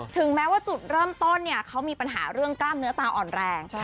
ถึงแม้ว่าจุดเริ่มต้นเนี่ยเขามีปัญหาเรื่องกล้ามเนื้อตาอ่อนแรง